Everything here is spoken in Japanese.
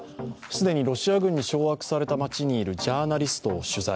既にロシア軍に掌握された街にいるジャーナリストを取材。